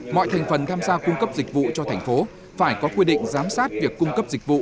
mọi thành phần tham gia cung cấp dịch vụ cho thành phố phải có quy định giám sát việc cung cấp dịch vụ